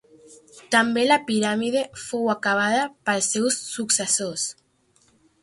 També la piràmide fou acabada pels seus successors.